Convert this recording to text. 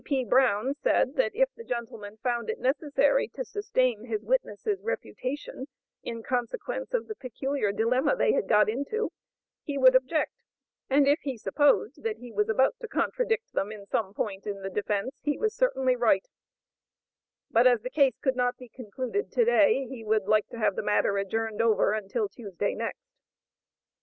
D.P. Brown, said that if the gentleman found it necessary to sustain his witnesses' reputation, in consequence of the peculiar dilemma they had got into, he would object, and if he supposed that he was about to contradict them in some point in the defence, he certainly was right, but as the case could not be concluded to day, he would like to have the matter adjourned over until Tuesday next.